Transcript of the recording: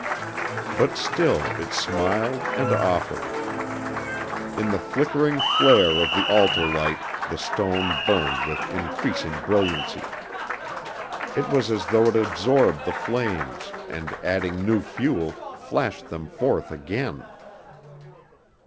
But still it smiled and offered. In the flickering flare of the altar light the stone burned with increasing brilliancy. It was as though it absorbed the flames and, adding new fuel, flashed them forth again.